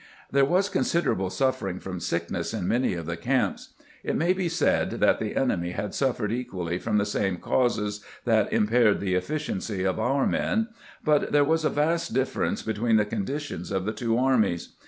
There was considerable suffering from sickness in many of the camps. It may be said that the enemy had suffered equally from the same causes that impaired the efficiency of our men, but there was a vast differ ence between the conditions of the two armies.